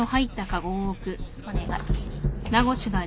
お願い。